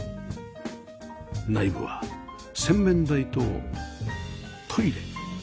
内部は洗面台とトイレ